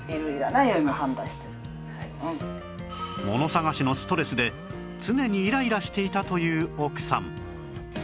もの捜しのストレスで常にイライラしていたという奥さん